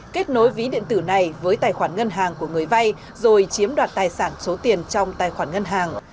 kết nối ví điện tử này với tài khoản ngân hàng của người vay rồi chiếm đoạt tài sản số tiền trong tài khoản ngân hàng